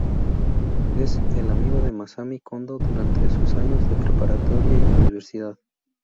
Es el amigo de Masami Kondō durante sus años de preparatoria y universidad.